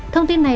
thông tin này